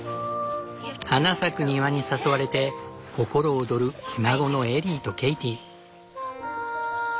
花咲く庭に誘われて心躍るひ孫のエリーとケイティ。